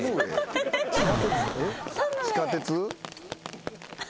地下鉄？